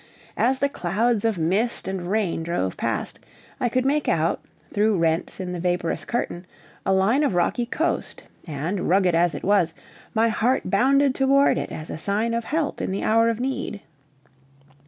As the clouds of mist and rain drove past, I could make out, through rents in the vaporous curtain, a line of rocky coast, and rugged as it was, my heart bounded toward it as a sign of help in the hour of need.